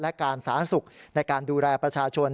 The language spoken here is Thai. และการสาธารณสุขในการดูแลประชาชน